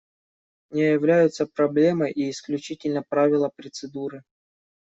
Не являются проблемой и исключительно правила процедуры.